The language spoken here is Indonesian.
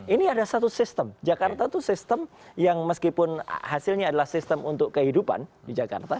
ini ada satu sistem jakarta itu sistem yang meskipun hasilnya adalah sistem untuk kehidupan di jakarta